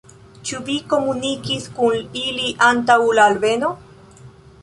Ĉu vi komunikis kun ili antaŭ la alveno?